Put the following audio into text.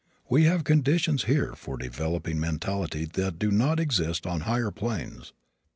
We have conditions here for developing mentality that do not exist on higher planes.